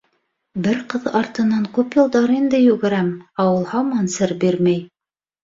Бер ҡыҙ артынан күп йылдар инде йүгерәм, ә ул һаман сер бирмәй.